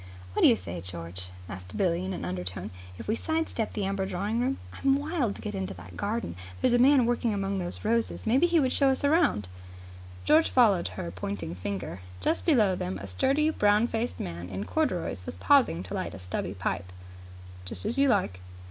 "What do you say, George," asked Billie in an undertone, "if we side step the Amber Drawing Room? I'm wild to get into that garden. There's a man working among those roses. Maybe he would show us round." George followed her pointing finger. Just below them a sturdy, brown faced man in corduroys was pausing to light a stubby pipe. "Just as you like."